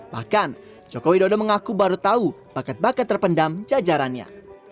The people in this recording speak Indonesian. bahkan joko widodo mengaku baru tahu bakat bakat terpendam jajarannya